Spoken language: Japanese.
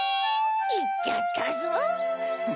いっちゃったゾウ。